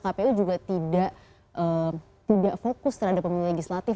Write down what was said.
kpu juga tidak fokus terhadap pemilu legislatif